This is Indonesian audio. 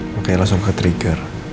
makanya langsung ketrigger